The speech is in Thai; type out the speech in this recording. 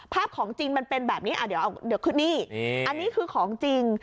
ภาพของจริงมันเป็นแบบนี้อันนี้คือของจริง